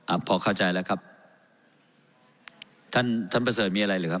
พอเข้าใจแล้วครับท่านท่านประเสริฐมีอะไรหรือครับ